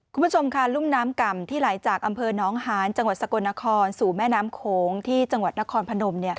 คุณผู้ชมค่ะรุ่มน้ำก่ำที่ไหลจากอำเภอน้องหานจังหวัดสกลนครสู่แม่น้ำโขงที่จังหวัดนครพนม